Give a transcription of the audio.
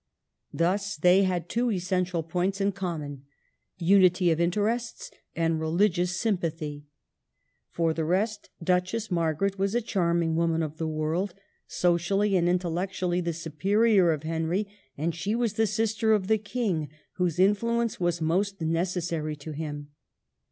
Thus they had two essential points in com mon, — unity of interests and religious sym pathy. For the rest, Duchess Margaret was a charming woman of the world, socially and intellectually the superior of Henry, and she was the sister of the King whose influence was most necessary to him.